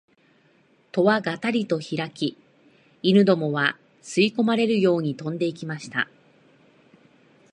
戸はがたりとひらき、犬どもは吸い込まれるように飛んで行きました